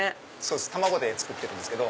卵で作ってるんですけど。